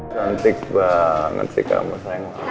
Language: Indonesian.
cantik banget sih kamu